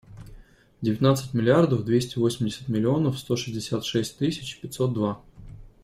Девятнадцать миллиардов двести восемьдесят миллионов сто шестьдесят шесть тысяч пятьсот два.